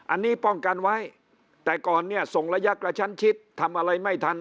อันนี้ป้องกันไว้แต่ก่อนเนี่ยส่งระยะกระชั้นชิดทำอะไรไม่ทัน